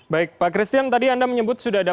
baik pak christian tadi anda menyebut sudah ada